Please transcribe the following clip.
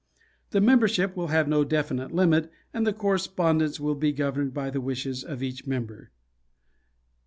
The membership will have no definite limit and the correspondence will be governed by the wishes of each member.